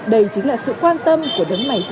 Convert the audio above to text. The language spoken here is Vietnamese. đây chính là sự quan tâm của đấng mải dâu